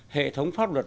hệ thống pháp luật